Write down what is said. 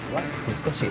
難しい。